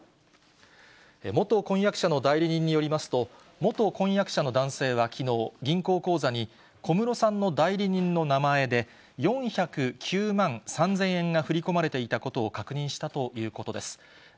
元婚約者の代理人によりますと、元婚約者の男性はきのう、銀行口座に、小室さんの代理人の名前で、４０９万３０００円が振り込まれていたことを確認したということです。